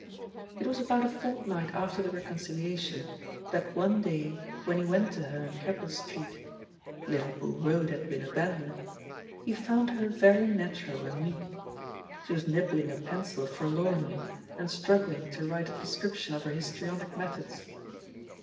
It was about a fortnight after the reconcilia* tion that one day, when he went to her in Keppd Street — Liverpool Road had been abandoned — he found her very natural and meek. She was mbbling a pencil forlornly, and struggling to write a description of her histrionic methods.